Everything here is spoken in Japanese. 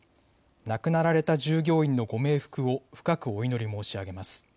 亡くなられた従業員のご冥福を深くお祈り申し上げます。